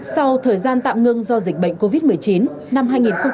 sau thời gian tạm ngưng do dịch bệnh covid một mươi chín năm hai nghìn hai mươi